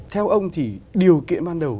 theo ông thì điều kiện ban đầu